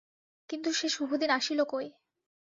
কিন্তু সে শুভদিন আসিল কই।